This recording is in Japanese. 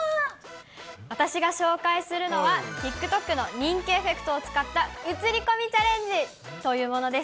私が紹介するのは、ＴｉｋＴｏｋの人気エフェクトを使った、写り込みチャレンジというものです。